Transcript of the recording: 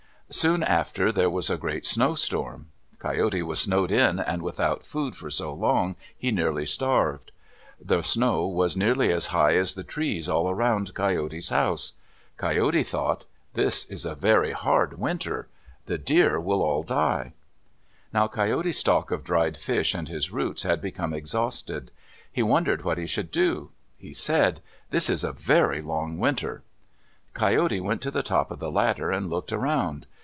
Soon after there was a great snowstorm. Coyote was snowed in and without food for so long he nearly starved. The snow was nearly as high as the trees all around Coyote's house. Coyote thought, "This is a very hard winter. The deer will all die." Now Coyote's stock of dried fish and his roots had become exhausted. He wondered what he should do. He said, "This is a very long winter." Coyote went to the top of the ladder and looked around.